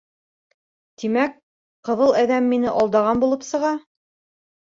Тимәк, ҡыҙыл әҙәм мине алдаған булып сыға?